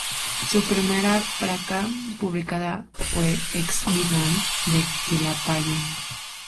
Su primera placa publicada fue "X Vietnam" de Quilapayún.